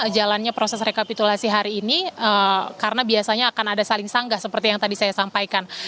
jalannya proses rekapitulasi hari ini karena biasanya akan ada saling sanggah seperti yang tadi saya sampaikan